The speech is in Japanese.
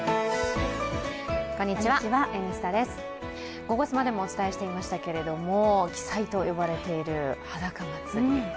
「ゴゴスマ」でもお伝えしていましけれども奇祭と呼ばれているはだか祭。